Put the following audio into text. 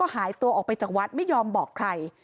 หายตัวออกไปจากวัดไม่ยอมบอกใคร